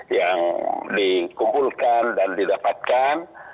yang dikumpulkan dan didapatkan